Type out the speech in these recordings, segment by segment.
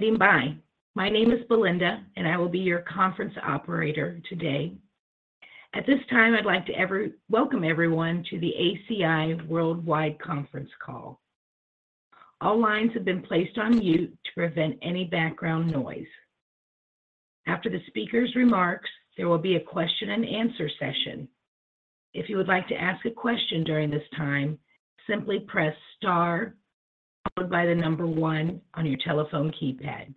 Thank you for standing by. My name is Belinda, and I will be your conference operator today. At this time, I'd like to welcome everyone to the ACI Worldwide conference call. All lines have been placed on mute to prevent any background noise. After the speaker's remarks, there will be a question and answer session. If you would like to ask a question during this time, simply press Star followed by the number one on your telephone keypad.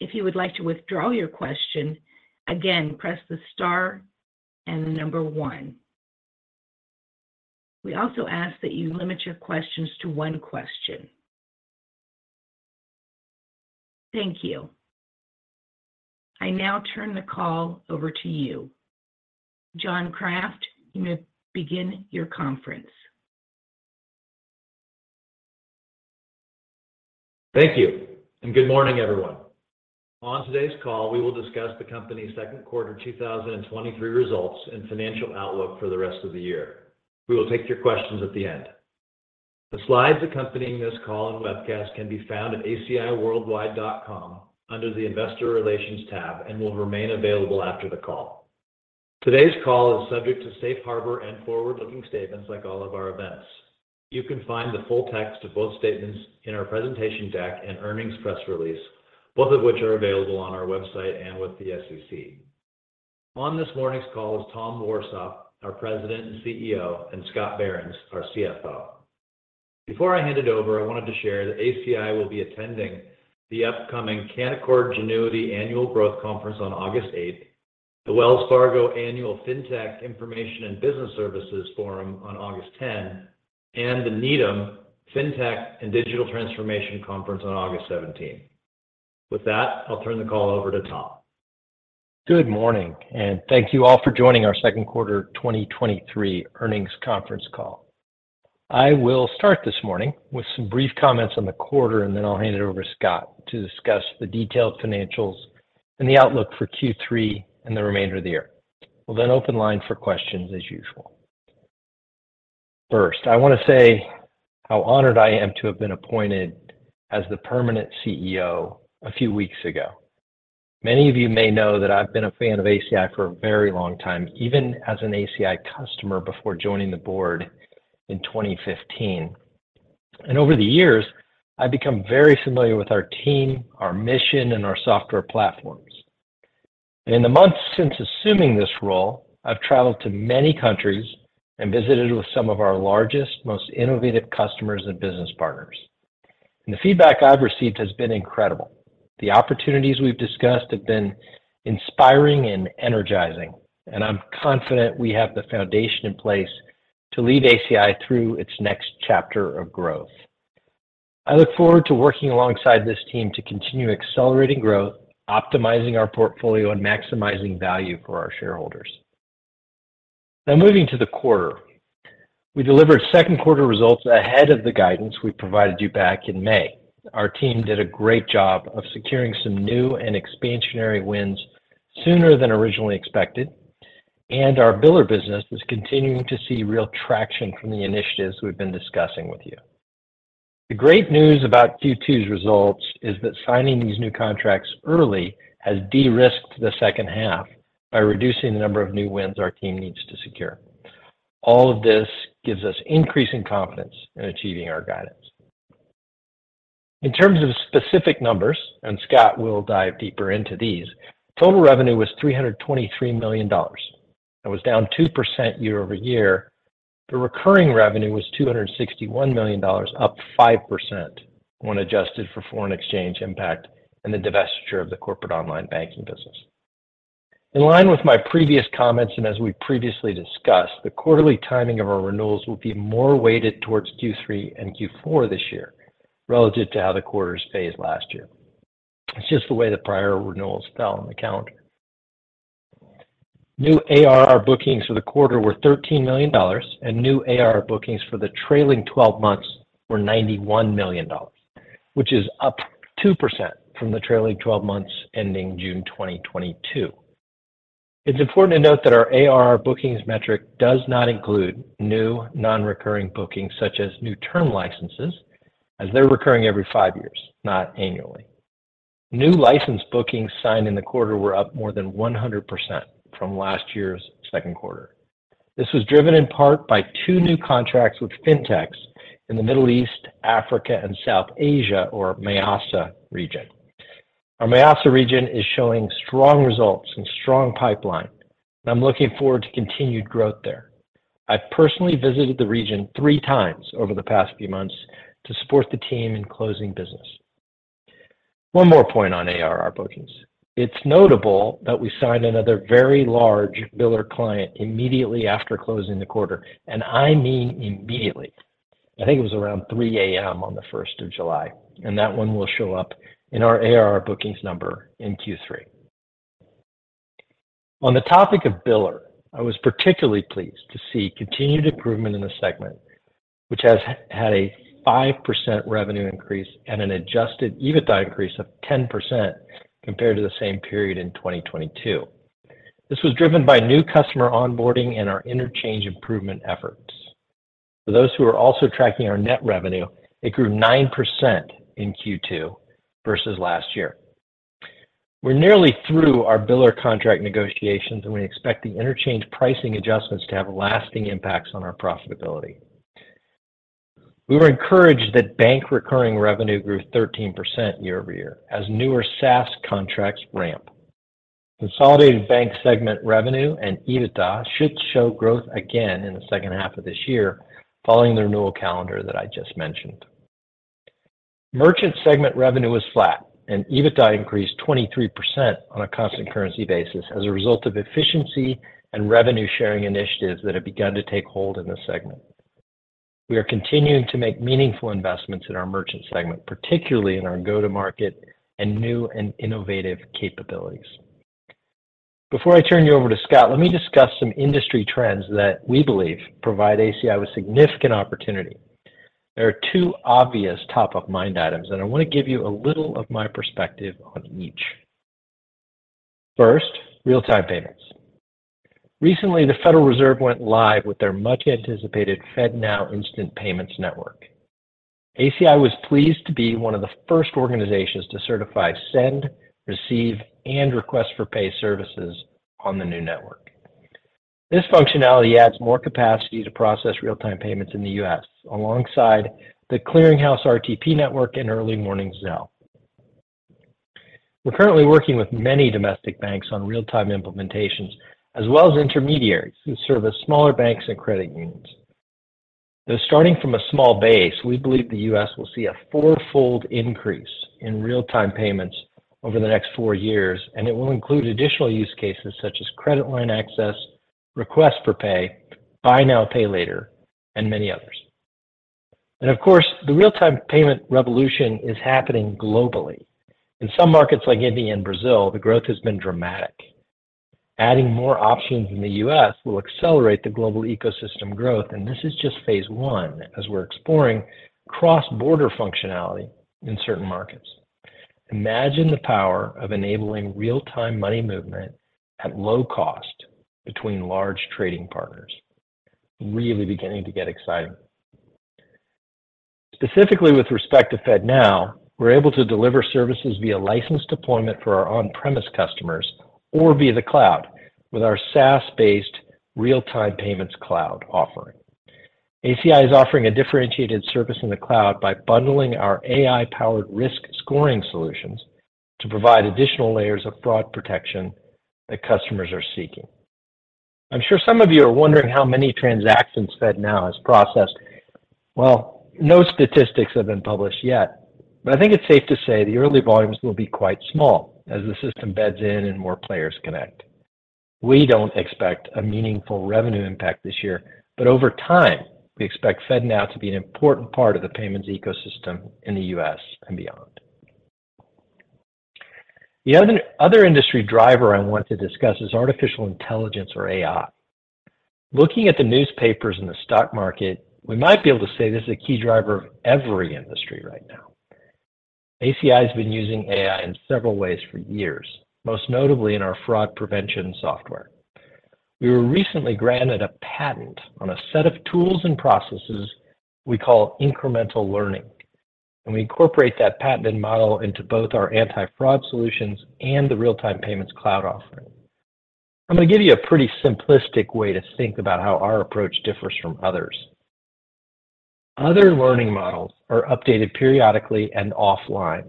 If you would like to withdraw your question, again, press the Star and the number one. We also ask that you limit your questions to one question. Thank you. I now turn the call over to you. John Kraft, you may begin your conference. Thank you, good morning, everyone. On today's call, we will discuss the company's second quarter 2023 results and financial outlook for the rest of the year. We will take your questions at the end. The slides accompanying this call and webcast can be found at aciworldwide.com under the Investor Relations tab, will remain available after the call. Today's call is subject to safe harbor and forward-looking statements like all of our events. You can find the full text of both statements in our presentation deck and earnings press release, both of which are available on our website and with the SEC. On this morning's call is Thomas Warsop, our President and Chief Executive Officer, and Scott Behrens, our Chief Financial Officer. Before I hand it over, I wanted to share that ACI will be attending the upcoming Canaccord Genuity Annual Growth Conference on August 8th, the Wells Fargo Annual Fintech Information and Business Services Forum on August 10, and the Needham Fintech and Digital Transformation Conference on August 17. With that, I'll turn the call over to Tom. Good morning, and thank you all for joining our second quarter 2023 earnings conference call. I will start this morning with some brief comments on the quarter, and then I'll hand it over to Scott to discuss the detailed financials and the outlook for Q3 and the remainder of the year. We'll then open line for questions, as usual. First, I want to say how honored I am to have been appointed as the permanent CEO a few weeks ago. Many of you may know that I've been a fan of ACI for a very long time, even as an ACI customer before joining the board in 2015. Over the years, I've become very familiar with our team, our mission, and our software platforms. In the months since assuming this role, I've traveled to many countries and visited with some of our largest, most innovative customers and business partners. The feedback I've received has been incredible. The opportunities we've discussed have been inspiring and energizing, and I'm confident we have the foundation in place to lead ACI through its next chapter of growth. I look forward to working alongside this team to continue accelerating growth, optimizing our portfolio, and maximizing value for our shareholders. Now, moving to the quarter. We delivered second quarter results ahead of the guidance we provided you back in May. Our team did a great job of securing some new and expansionary wins sooner than originally expected, and our biller business is continuing to see real traction from the initiatives we've been discussing with you. The great news about Q2's results is that signing these new contracts early has de-risked the second half by reducing the number of new wins our team needs to secure. All of this gives us increasing confidence in achieving our guidance. In terms of specific numbers, and Scott will dive deeper into these, total revenue was $323 million. That was down 2% year-over-year. The recurring revenue was $261 million, up 5% when adjusted for foreign exchange impact and the divestiture of the Corporate Online Banking business. In line with my previous comments, and as we previously discussed, the quarterly timing of our renewals will be more weighted towards Q3 and Q4 this year, relative to how the quarters phased last year. It's just the way the prior renewals fell on the calendar. New ARR bookings for the quarter were $13 million, new ARR bookings for the trailing 12 months were $91 million, which is up 2% from the trailing 12 months ending June 2022. It's important to note that our ARR bookings metric does not include new non-recurring bookings, such as new term licenses, as they're recurring every five years, not annually. New license bookings signed in the quarter were up more than 100% from last year's second quarter. This was driven in part by two new contracts with Fintechs in the Middle East, Africa, and South Asia, or MEASA region. Our MEASA region is showing strong results and strong pipeline. I'm looking forward to continued growth there. I personally visited the region three times over the past few months to support the team in closing business. One more point on ARR bookings. It's notable that we signed another very large biller client immediately after closing the quarter, and I mean immediately. I think it was around 3:00 A.M. on the 1st of July, and that one will show up in our ARR bookings number in Q3. On the topic of biller, I was particularly pleased to see continued improvement in the segment, which has had a 5% revenue increase and an adjusted EBITDA increase of 10% compared to the same period in 2022. This was driven by new customer onboarding and our interchange improvement effort. For those who are also tracking our net revenue, it grew 9% in Q2 versus last year. We're nearly through our biller contract negotiations, and we expect the interchange pricing adjustments to have lasting impacts on our profitability. We were encouraged that bank recurring revenue grew 13% year-over-year, as newer SaaS contracts ramp. Consolidated bank segment revenue and EBITDA should show growth again in the second half of this year, following the renewal calendar that I just mentioned. Merchant segment revenue was flat, and EBITDA increased 23% on a constant currency basis as a result of efficiency and revenue-sharing initiatives that have begun to take hold in the segment. We are continuing to make meaningful investments in our merchant segment, particularly in our go-to-market and new and innovative capabilities. Before I turn you over to Scott, let me discuss some industry trends that we believe provide ACI with significant opportunity. There are two obvious top-of-mind items, and I want to give you a little of my perspective on each. First, real-time payments. Recently, the Federal Reserve went live with their much-anticipated FedNow Instant Payments network. ACI was pleased to be one of the first organizations to certify, send, receive, and request for pay services on the new network. This functionality adds more capacity to process real-time payments in the U.S., alongside The Clearing House RTP network and Early Warning Zelle. We're currently working with many domestic banks on real-time implementations, as well as intermediaries who service smaller banks and credit unions. Though starting from a small base, we believe the U.S. will see a four-fold increase in real-time payments over the next four years, and it will include additional use cases such as credit line access, request for pay, buy now, pay later, and many others. Of course, the real-time payment revolution is happening globally. In some markets like India and Brazil, the growth has been dramatic. Adding more options in the US will accelerate the global ecosystem growth, and this is just phase one as we're exploring cross-border functionality in certain markets. Imagine the power of enabling real-time money movement at low cost between large trading partners. Really beginning to get exciting. Specifically with respect to FedNow, we're able to deliver services via licensed deployment for our on-premise customers or via the cloud with our SaaS-based Real-Time Payments Cloud offering. ACI is offering a differentiated service in the cloud by bundling our AI-powered risk scoring solutions to provide additional layers of fraud protection that customers are seeking. I'm sure some of you are wondering how many transactions FedNow has processed. Well, no statistics have been published yet, but I think it's safe to say the early volumes will be quite small as the system beds in and more players connect. We don't expect a meaningful revenue impact this year, but over time, we expect FedNow to be an important part of the payments ecosystem in the U.S. and beyond. The other, other industry driver I want to discuss is artificial intelligence or AI. Looking at the newspapers and the stock market, we might be able to say this is a key driver of every industry right now. ACI has been using AI in several ways for years, most notably in our fraud prevention software. We were recently granted a patent on a set of tools and processes we call incremental learning, and we incorporate that patented model into both our anti-fraud solutions and the Real-Time Payments Cloud offering. I'm going to give you a pretty simplistic way to think about how our approach differs from others. Other learning models are updated periodically and offline.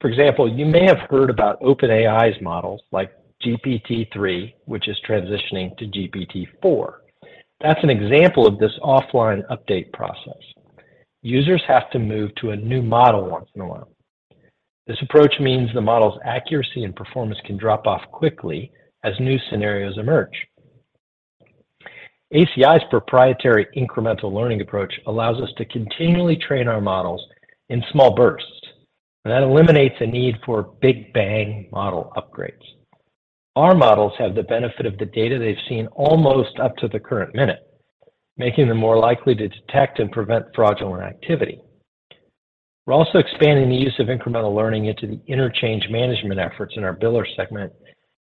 For example, you may have heard about OpenAI's models, like GPT-3, which is transitioning to GPT-4. That's an example of this offline update process. Users have to move to a new model once in a while. This approach means the model's accuracy and performance can drop off quickly as new scenarios emerge. ACI's proprietary incremental learning approach allows us to continually train our models in small bursts, and that eliminates the need for big bang model upgrades. Our models have the benefit of the data they've seen almost up to the current minute, making them more likely to detect and prevent fraudulent activity. We're also expanding the use of incremental learning into the interchange management efforts in our biller segment,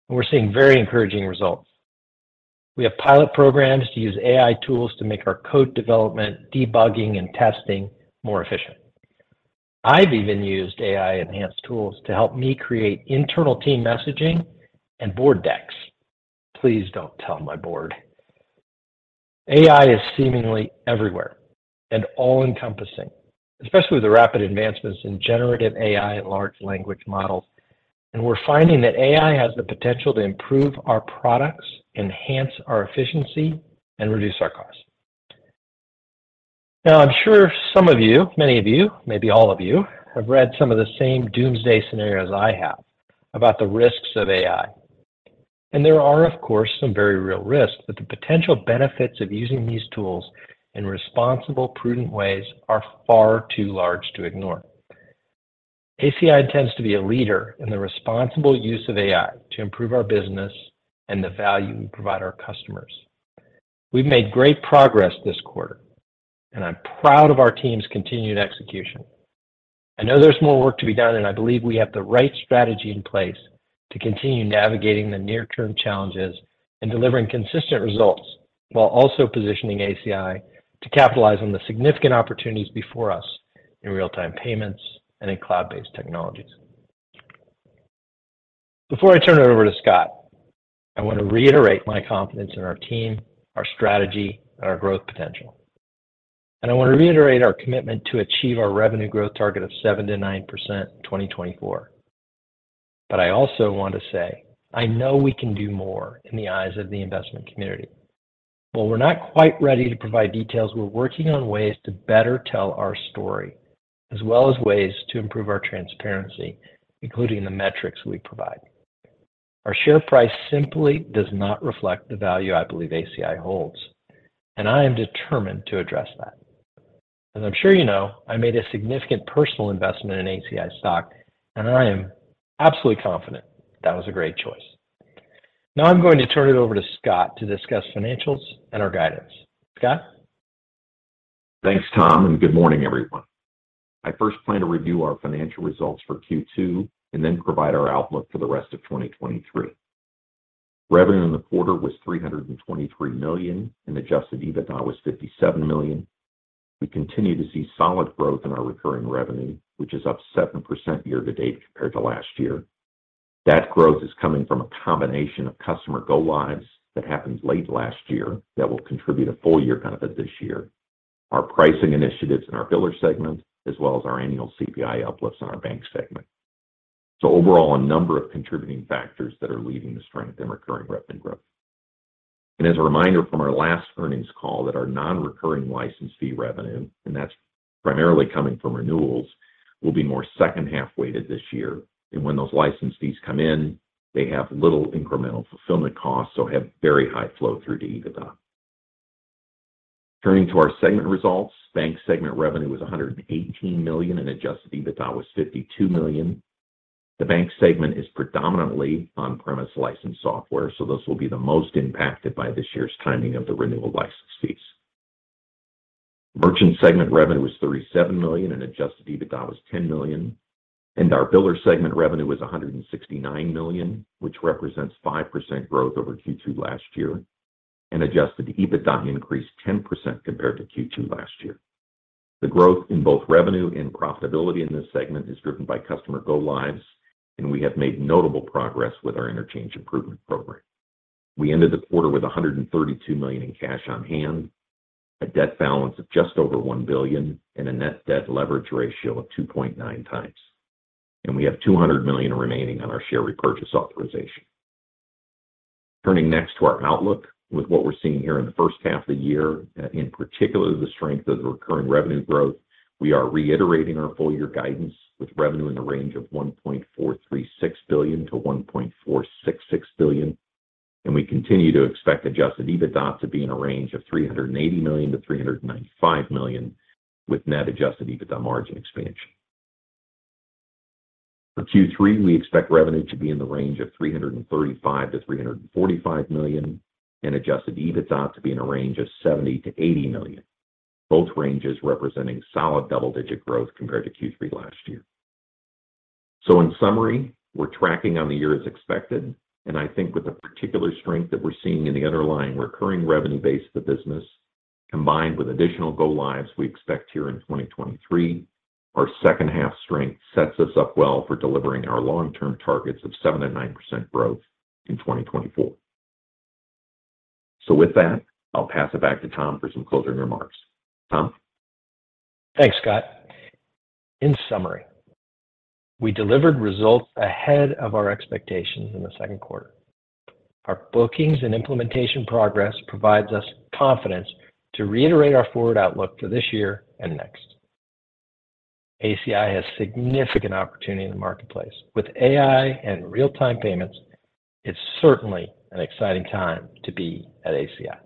and we're seeing very encouraging results. We have pilot programs to use AI tools to make our code development, debugging, and testing more efficient. I've even used AI-enhanced tools to help me create internal team messaging and board decks. Please don't tell my board. AI is seemingly everywhere and all-encompassing, especially with the rapid advancements in generative AI and large language models. We're finding that AI has the potential to improve our products, enhance our efficiency, and reduce our costs. Now, I'm sure some of you, many of you, maybe all of you, have read some of the same doomsday scenarios I have about the risks of AI. There are, of course, some very real risks, but the potential benefits of using these tools in responsible, prudent ways are far too large to ignore. ACI intends to be a leader in the responsible use of AI to improve our business and the value we provide our customers. We've made great progress this quarter, and I'm proud of our team's continued execution.... I know there's more work to be done. I believe we have the right strategy in place to continue navigating the near-term challenges and delivering consistent results, while also positioning ACI to capitalize on the significant opportunities before us in real-time payments and in cloud-based technologies. Before I turn it over to Scott, I want to reiterate my confidence in our team, our strategy, and our growth potential. I want to reiterate our commitment to achieve our revenue growth target of 7%-9% in 2024. I also want to say, I know we can do more in the eyes of the investment community. While we're not quite ready to provide details, we're working on ways to better tell our story, as well as ways to improve our transparency, including the metrics we provide. Our share price simply does not reflect the value I believe ACI holds, and I am determined to address that. As I'm sure you know, I made a significant personal investment in ACI stock, and I am absolutely confident that was a great choice. Now I'm going to turn it over to Scott to discuss financials and our guidance. Scott? Thanks, Tom, and good morning, everyone. I first plan to review our financial results for Q2 and then provide our outlook for the rest of 2023. Revenue in the quarter was $323 million, and adjusted EBITDA was $57 million. We continue to see solid growth in our recurring revenue, which is up 7% year to date compared to last year. That growth is coming from a combination of customer go lives that happened late last year that will contribute a full year benefit this year, our pricing initiatives in our biller segment, as well as our annual CPI uplifts in our bank segment. Overall, a number of contributing factors that are leading the strength in recurring revenue growth. As a reminder from our last earnings call, that our non-recurring license fee revenue, and that's primarily coming from renewals, will be more second-half weighted this year. When those license fees come in, they have little incremental fulfillment costs, so have very high flow through to EBITDA. Turning to our segment results, bank segment revenue was $118 million, and adjusted EBITDA was $52 million. The bank segment is predominantly on-premise licensed software, so this will be the most impacted by this year's timing of the renewal license fees. Merchant segment revenue was $37 million, and adjusted EBITDA was $10 million, and our biller segment revenue was $169 million, which represents 5% growth over Q2 last year, and adjusted EBITDA increased 10% compared to Q2 last year. The growth in both revenue and profitability in this segment is driven by customer go lives, and we have made notable progress with our interchange improvement program. We ended the quarter with $132 million in cash on hand, a debt balance of just over $1 billion, and a net debt leverage ratio of 2.9 times. We have $200 million remaining on our share repurchase authorization. Turning next to our outlook. With what we're seeing here in the first half of the year, in particular, the strength of the recurring revenue growth, we are reiterating our full year guidance, with revenue in the range of $1.436 billion-$1.466 billion. We continue to expect adjusted EBITDA to be in a range of $380 million-$395 million, with net adjusted EBITDA margin expansion. For Q3, we expect revenue to be in the range of $335 million-$345 million, and adjusted EBITDA to be in a range of $70 million-$80 million. Both ranges representing solid double-digit growth compared to Q3 last year. In summary, we're tracking on the year as expected, and I think with the particular strength that we're seeing in the underlying recurring revenue base of the business, combined with additional go lives we expect here in 2023, our second half strength sets us up well for delivering our long-term targets of 7%-9% growth in 2024. With that, I'll pass it back to Tom for some closing remarks. Tom? Thanks, Scott. In summary, we delivered results ahead of our expectations in the second quarter. Our bookings and implementation progress provides us confidence to reiterate our forward outlook for this year and next. ACI has significant opportunity in the marketplace. With AI and real-time payments, it's certainly an exciting time to be at ACI.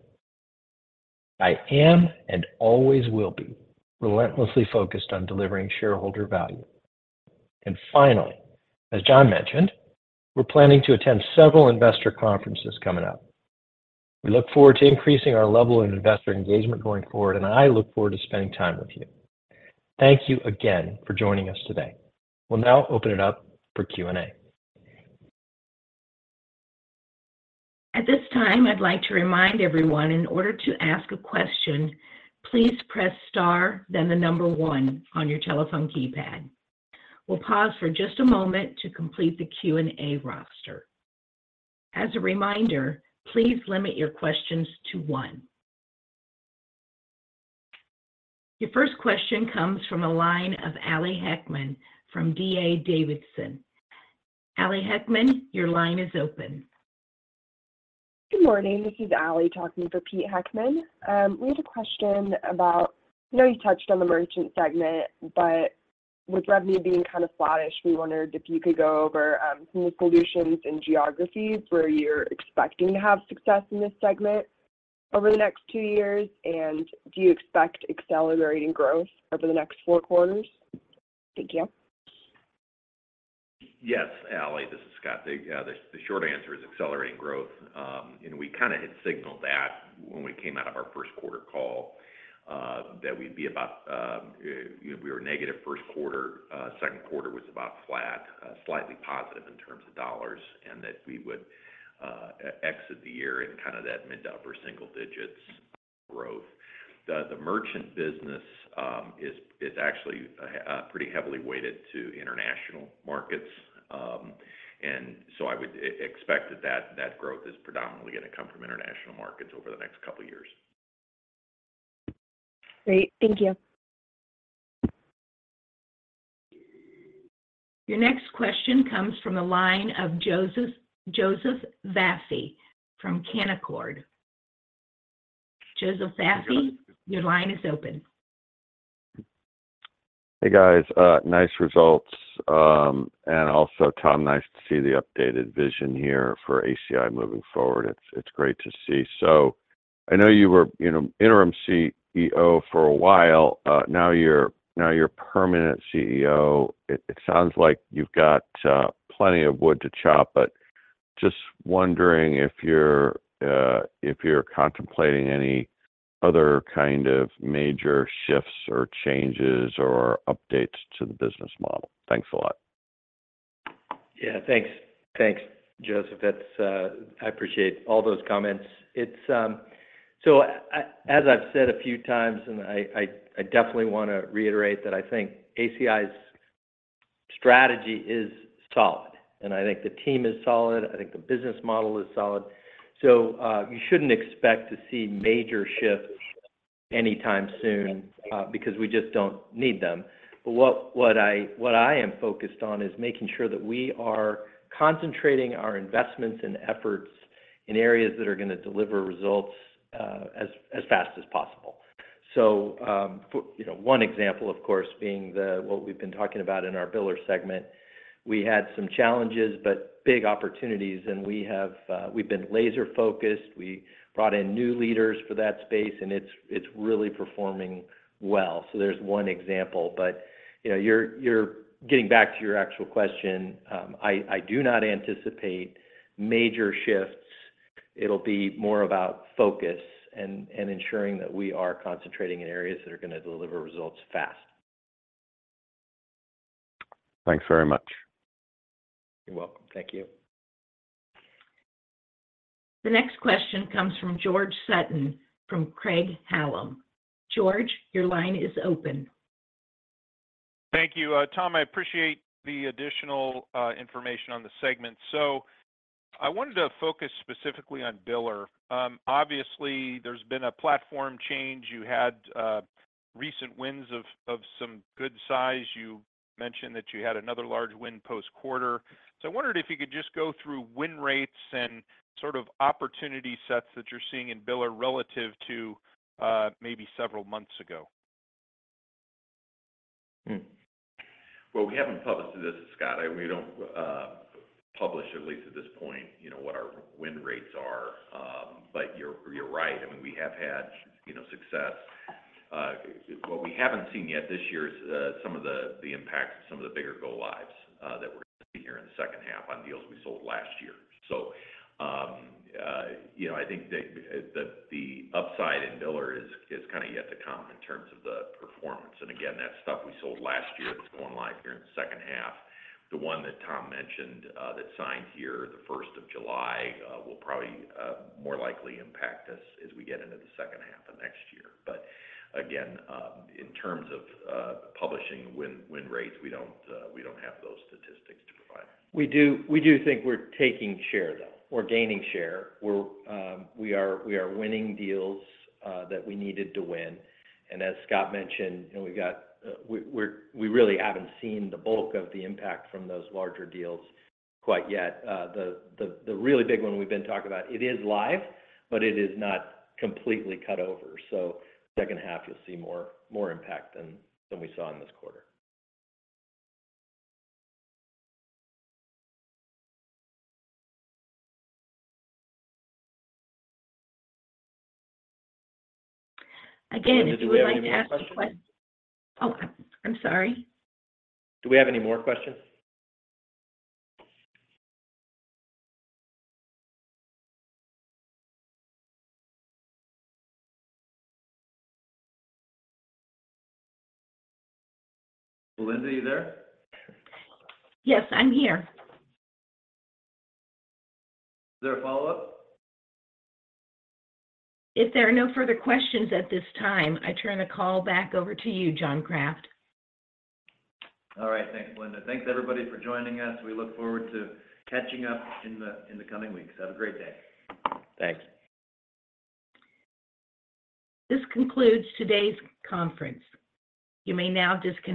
I am, and always will be, relentlessly focused on delivering shareholder value. Finally, as John mentioned, we're planning to attend several investor conferences coming up. We look forward to increasing our level of investor engagement going forward, and I look forward to spending time with you. Thank you again for joining us today. We'll now open it up for Q&A. At this time, I'd like to remind everyone in order to ask a question, please press star, then the number 1 on your telephone keypad. We'll pause for just a moment to complete the Q&A roster. As a reminder, please limit your questions to one. Your first question comes from a line of Alli Heckmann from D.A. Davidson. Alli Heckman, your line is open. Good morning, this is Alli talking for Pete Heckmann. We had a question about. I know you touched on the merchant segment, but with revenue being kind of flattish, we wondered if you could go over, some of the solutions and geographies where you're expecting to have success in this segment over the next two years, and do you expect accelerating growth over the next 4 quarters? Thank you. Yes, Alli, this is Scott. The short answer is accelerating growth. We kind of had signaled that when we came out of our 1st quarter call, that we'd be about, you know, we were negative 1st quarter, 2nd quarter was about flat, slightly positive in terms of dollars, and that we would exit the year in kind of that mid- to upper-single-digits growth. The merchant business is actually pretty heavily weighted to international markets. I would expect that, that, that growth is predominantly gonna come from international markets over the next 2 years. Great. Thank you. Your next question comes from the line of Joseph, Joseph Vafi from Canaccord. Joseph Vafi, your line is open. Hey, guys, nice results. Also, Thomas Warsop, nice to see the updated vision here for ACI moving forward. It's, it's great to see. I know you were, you know, interim CEO for a while, now you're, now you're permanent CEO. It, it sounds like you've got plenty of wood to chop, but just wondering if you're, if you're contemplating any other kind of major shifts or changes or updates to the business model? Thanks a lot. Yeah, thanks. Thanks, Joseph. That's... I appreciate all those comments. It's, so as I've said a few times, and I, I, I definitely want to reiterate that I think ACI's strategy is solid, and I think the team is solid, I think the business model is solid. You shouldn't expect to see major shifts anytime soon, because we just don't need them. What, what I, what I am focused on is making sure that we are concentrating our investments and efforts in areas that are gonna deliver results, as, as fast as possible. You know, one example, of course, being the, what we've been talking about in our biller segment. We had some challenges, but big opportunities, and we have, we've been laser focused, we brought in new leaders for that space, and it's, it's really performing well. There's one example. You know, you're, you're getting back to your actual question. I, I do not anticipate major shifts. It'll be more about focus and, and ensuring that we are concentrating in areas that are gonna deliver results fast. Thanks very much. You're welcome. Thank you. The next question comes from George Sutton, from Craig-Hallum. George, your line is open. Thank you. Tom, I appreciate the additional information on the segment. I wanted to focus specifically on biller. Obviously, there's been a platform change. You had recent wins of some good size. You mentioned that you had another large win post-quarter. I wondered if you could just go through win rates and sort of opportunity sets that you're seeing in biller relative to maybe several months ago. Hmm. Well, we haven't published this is Scott. We don't publish, at least at this point, you know, what our win rates are. You're, you're right, I mean, we have had, you know, success. What we haven't seen yet this year is some of the, the impact of some of the bigger go lives that we're gonna see here in the second half on deals we sold last year. You know, I think that the, the upside in biller is, is kind of yet to come in terms of the performance. Again, that's stuff we sold last year that's going live here in the second half. The one that Tom mentioned that signed here the first of July will probably more likely impact us as we get into the second half of next year. Again, in terms of publishing win, win rates, we don't, we don't have those statistics to provide. We do, we do think we're taking share, though, or gaining share. We're, we are, we are winning deals that we needed to win. As Scott mentioned, you know, we got, we really haven't seen the bulk of the impact from those larger deals quite yet. The, the, the really big one we've been talking about, it is live, but it is not completely cut over. Second half, you'll see more, more impact than, than we saw in this quarter. Again, if you would like to ask a ques-. Belinda, do we have any more questions? Oh, I'm, I'm sorry. Do we have any more questions? Belinda, are you there? Yes, I'm here. Is there a follow-up? If there are no further questions at this time, I turn the call back over to you, John Kraft. All right. Thanks, Belinda. Thanks, everybody, for joining us. We look forward to catching up in the, in the coming weeks. Have a great day. Thanks. This concludes today's conference. You may now disconnect.